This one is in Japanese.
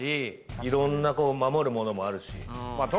いろんなこう守るものもあるし。